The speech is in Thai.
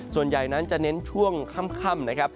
ส่วนใหญ่นั้นจะเน้นช่วงค่ำ